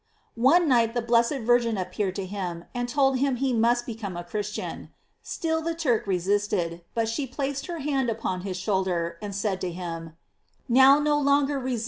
One night the blessed Virgin appeared to him and told Lim he must become a Christian. Still the Turk resisted, but she placed her hand upon his should er, and said to him: "Now no longer resist, * Sigon de Reb.